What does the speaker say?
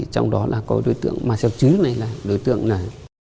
trong đó là có đối tượng mà xem chứ này là đối tượng này